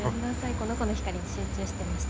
この子の光に集中してました。